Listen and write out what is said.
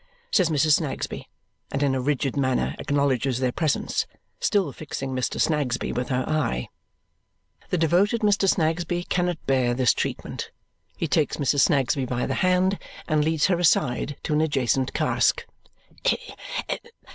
says Mrs. Snagsby, and in a rigid manner acknowledges their presence, still fixing Mr. Snagsby with her eye. The devoted Mr. Snagsby cannot bear this treatment. He takes Mrs. Snagsby by the hand and leads her aside to an adjacent cask.